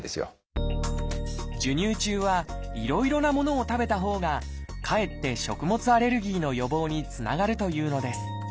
授乳中はいろいろなものを食べたほうがかえって食物アレルギーの予防につながるというのです。